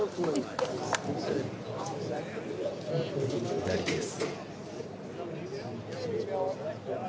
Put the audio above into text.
左です。